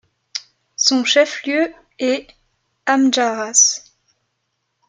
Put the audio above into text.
Son chef-lieu est Amdjarass.